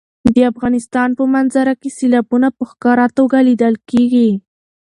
د افغانستان په منظره کې سیلابونه په ښکاره توګه لیدل کېږي.